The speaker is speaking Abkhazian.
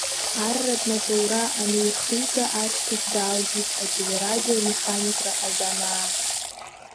Арратә маҵура анихига ашьҭахь далгеит, ателе-радио механикра азанааҭ.